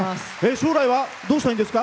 将来はどうしたいんですか？